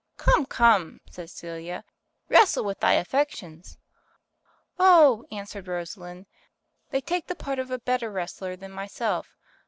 "Come come," said Celia, "wrestle with thy affections." "Oh," answered Rosalind, "they take the part of a better wrestler than myself.